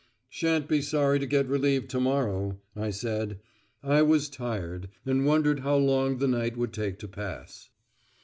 "Shan't be sorry to get relieved to morrow," I said. I was tired, and I wondered how long the night would take to pass.